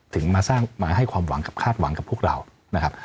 ถึงมาให้ความหวังคาดหวังกับพวกเรานะครับ